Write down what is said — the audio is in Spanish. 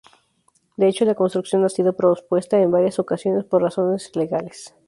De hecho la construcción ha sido pospuesta en varias ocasiones por razones legales.